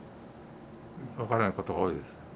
分からないことが多いです。